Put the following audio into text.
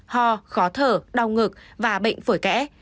ho khó thở đau ngực và bệnh phổi kẽ